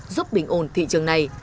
giúp bình ổn thị trường này